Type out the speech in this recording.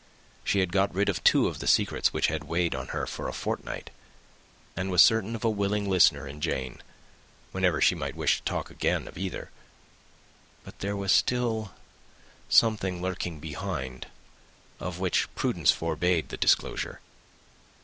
She had got rid of two of the secrets which had weighed on her for a fortnight, and was certain of a willing listener in Jane, whenever she might wish to talk again of either. But there was still something lurking behind, of which prudence forbade the disclosure.